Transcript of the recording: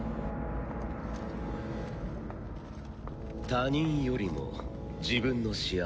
他人よりも自分の幸せを望む。